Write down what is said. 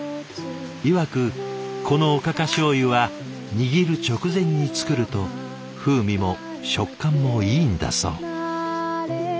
いわくこの「おかかしょうゆ」は握る直前に作ると風味も食感もいいんだそう。